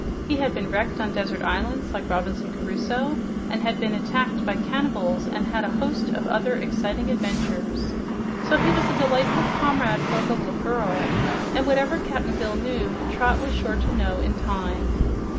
He had been wrecked on desert islands like Robinson Crusoe and been attacked by cannibals, and had a host of other exciting adventures. So he was a delightful comrade for the little girl, and whatever Cap'n Bill knew Trot was sure to know in time.